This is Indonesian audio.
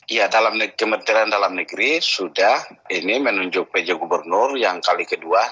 iya dalam kementerian dalam negeri sudah ini menunjuk pj gubernur yang kali kedua